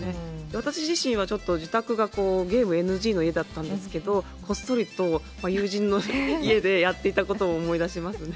私自身は、ちょっと自宅がゲームＮＧの家だったんですけど、こっそりと友人の家でやっていたことを思い出しますね。